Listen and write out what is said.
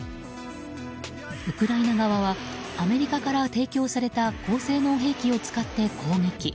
ウクライナ側はアメリカから提供された高性能兵器を使って攻撃。